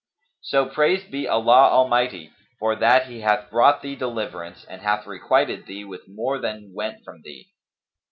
So praised be Allah Almighty for that He hath brought thee deliverance and hath requited thee with more than went from thee!